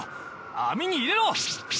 網に入れろ！